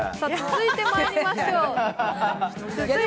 続いてまいりましょう。